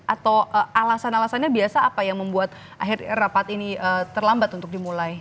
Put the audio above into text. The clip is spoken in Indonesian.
atau alasan alasannya biasa apa yang membuat rapat ini terlambat untuk dimulai